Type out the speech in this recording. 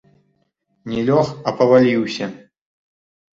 Не лёг, а паваліўся.